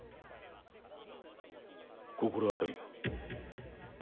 心当たりが？